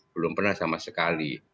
belum pernah sama sekali